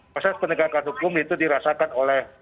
proses penegakan hukum itu dirasakan oleh